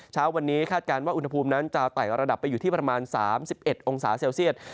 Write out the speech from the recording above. เช้าวันนี้คาดการณ์ว่าอุณหภูมินั้นจะไต่ระดับไปอยู่ที่ประมาณ๓๑องศาเซลเซียต